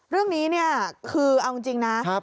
เรื่องนี้คือเอาจริงนะ